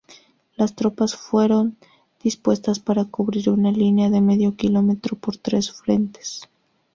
Las tropas fueron dispuestas para cubrir una línea de medio kilómetro por tres frentes.